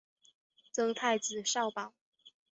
赠太子少保。